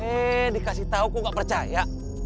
eh dikasih tahu kok gak percaya